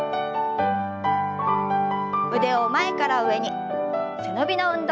腕を前から上に背伸びの運動から。